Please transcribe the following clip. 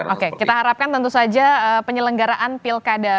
oke kita harapkan tentu saja penyelenggaraan pilkada